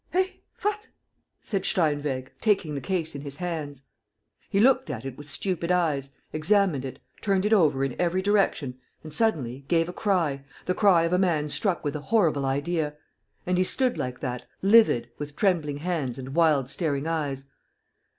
"Eh! What!" said Steinweg, taking the case in his hands. He looked at it with stupid eyes, examined it, turned it over in every direction and, suddenly, gave a cry, the cry of a man struck with a horrible idea. And he stood like that, livid, with trembling hands and wild, staring eyes.